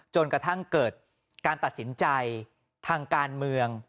จนกระทั่งเกิดการตัดสินใจทางการเมือง